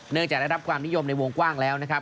จะได้รับความนิยมในวงกว้างแล้วนะครับ